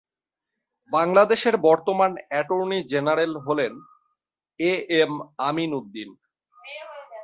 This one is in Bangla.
বাংলাদেশের বর্তমান অ্যাটর্নি জেনারেল হলেন এ এম আমিন উদ্দিন।